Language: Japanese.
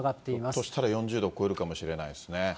ひょっとしたら４０度を超えるかもしれないですね。